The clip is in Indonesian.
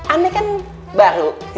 aneh kan baru